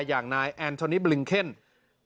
อย่างนายแอนโทนีบลิงเค็นเร็วเข้ามากว่านี้